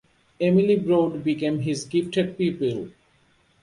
Emilie Brode became his gifted pupil.